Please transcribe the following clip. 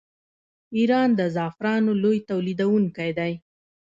ایران د زعفرانو لوی تولیدونکی دی.